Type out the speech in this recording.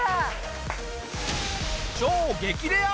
超激レア！